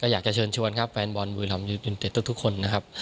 อยากจะเชิญชวนแฟนบอลบุยรำยุติเดตทุกคน